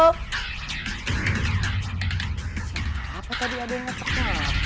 siapa tadi ada yang ngepep ngepep